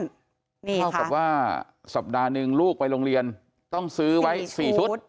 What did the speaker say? เท่ากับว่าสัปดาห์หนึ่งลูกไปโรงเรียนต้องซื้อไว้๔ชุด